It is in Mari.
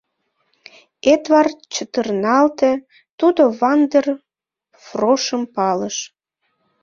Эдвард чытырналте: тудо Ван дер Фрошым палыш.